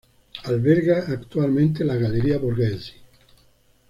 Alberga actualmente la Galería Borghese.